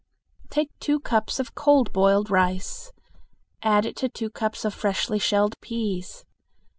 Take two cups of cold boiled rice, add to it two cups of freshly shelled peas.